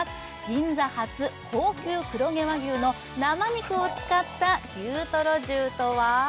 銀座初高級黒毛和牛の生肉を使った牛トロ重とは？